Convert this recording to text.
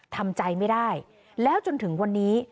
ทำใจไม่ได้แล้วจนถึงวันนี้